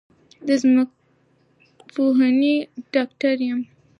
د ځمکپوهنې ډاکټر یم